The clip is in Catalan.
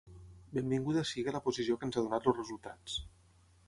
Benvinguda sigui la posició que ens han donat els resultats.